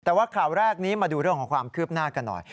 แต่ว่าข่าวแรกนี้มาดูเรื่องของความคืบหน้ากันหน่อย